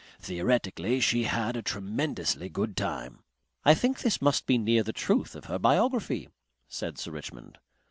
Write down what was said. Theoretically she had a tremendously good time." "I think this must be near the truth of her biography," said Sir Richmond.